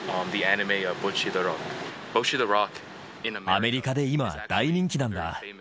アメリカで今、大人気なんだ。